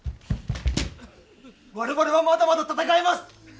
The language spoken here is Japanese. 我々はまだまだ戦えます！